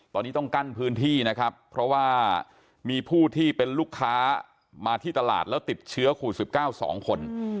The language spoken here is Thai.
ตอนนี้ต้องกั้นพื้นที่นะครับเพราะว่ามีผู้ที่เป็นลูกค้ามาที่ตลาดแล้วติดเชื้อโควิด๑๙๒คน